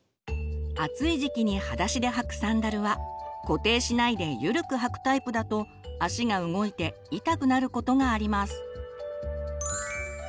暑い時期にはだしで履くサンダルは固定しないでゆるく履くタイプだと足が動いて痛くなることがあります。